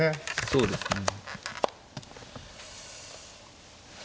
そうですね。